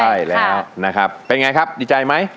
ใช่แล้วนะครับเป็นไงครับดีใจไหม